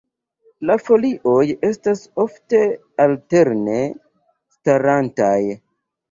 La folioj estas ofte alterne starantaj.